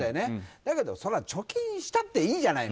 だけど貯金したっていいじゃない。